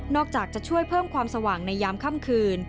อกจากจะช่วยเพิ่มความสว่างในยามค่ำคืน